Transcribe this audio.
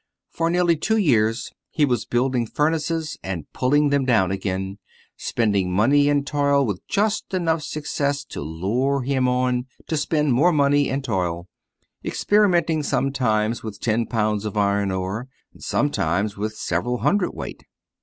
For nearly two years he was building furnaces and pulling them down again, spending money and toil with just enough success to lure him on to spend more money and toil; experimenting sometimes with ten pounds of iron ore, and sometimes with several hundredweight.